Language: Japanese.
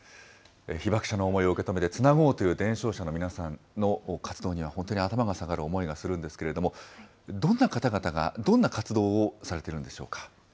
被爆者の思いを受け止めてつなごうという伝承者の皆さんの活動には、本当に頭が下がる思いがするんですけれども、どんな方々が、どんな活動をされているんでしょうか。